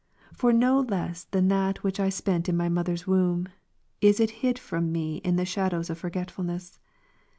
For no less than that which I spent in my mother's womb, is it hid from me in the shadows of < forgetfulness.